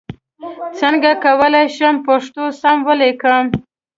څنګه کولای شم پښتو سم ولیکم ؟